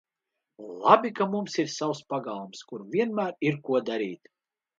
Labi, ka mums ir savs pagalms, kur vienmēr ir, ko darīt!